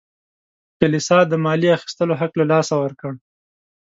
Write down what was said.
کلیسا د مالیې اخیستلو حق له لاسه ورکړ.